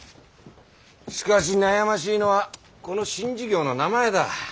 しかし悩ましいのはこの新事業の名前だ。